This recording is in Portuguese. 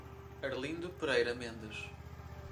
Arlindo Pereira Mendes